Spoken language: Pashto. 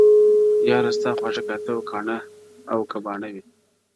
یاره ستا خواږه کاته او که باڼه وي,